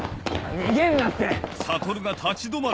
逃げんなって！